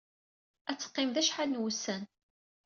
Ad teqqim da acḥal n wussan.